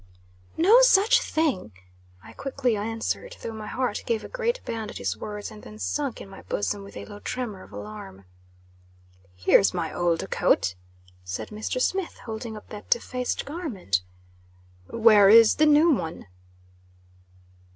"No such thing!" I quickly answered, though my heart gave a great bound at his words; and then sunk in my bosom with a low tremor of alarm. "Here's my old coat," said Mr. Smith, holding up that defaced garment "Where is the new one?"